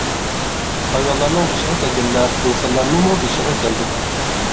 ھايۋانلارنىڭ بېشىغا كەلگەنلەر ئىنسانلارنىڭمۇ بېشىغا كەلدى.